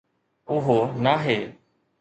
اھو ناھي